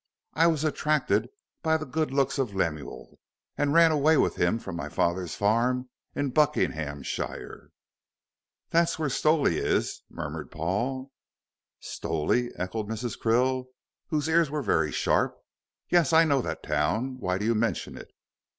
I was attracted by the good looks of Lemuel, and ran away with him from my father's farm in Buckinghamshire." "That's where Stowley is," murmured Paul. "Stowley?" echoed Mrs. Krill, whose ears were very sharp. "Yes, I know that town. Why do you mention it?"